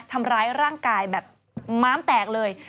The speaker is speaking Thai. ทำร้ายร่างกายแบบม้ามแตกเลย